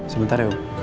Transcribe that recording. sebentar ya om